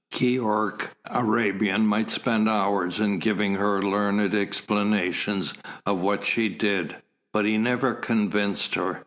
Keyork Arabian might spend hours in giving her learned explanations of what she did, but he never convinced her.